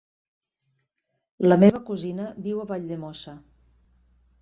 La meva cosina viu a Valldemossa.